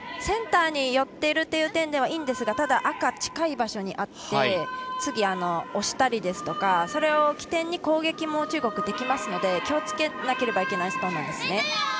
センターに寄っているという点ではいいんですがただ赤が近い場所にあって次、押したりですとかそれを起点に中国はできますので気をつけなければいけないストーンなんですね。